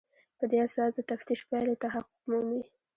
په دې اساس د تفتیش پایلې تحقق مومي.